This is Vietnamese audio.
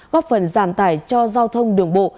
góp phần giảm tải cho giao thông đường bộ